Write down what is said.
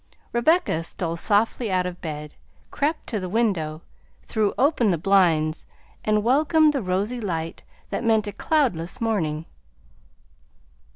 Rebecca stole softly out of bed, crept to the window, threw open the blinds, and welcomed the rosy light that meant a cloudless morning.